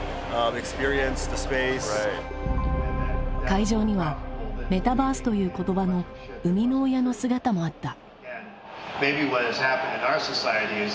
会場には「メタバース」という言葉の生みの親の姿もあった。